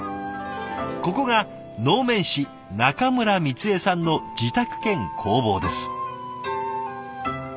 ここが能面師中村光江さんの自宅兼工房です。